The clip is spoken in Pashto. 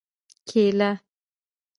🍌کېله